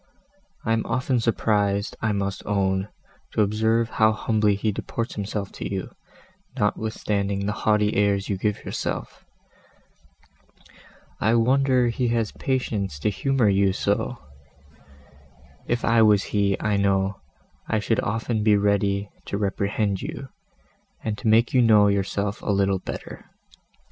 I am often surprised, I must own, to observe how humbly he deports himself to you, notwithstanding the haughty airs you give yourself; I wonder he has patience to humour you so: if I was he, I know, I should often be ready to reprehend you, and make you know yourself a little better.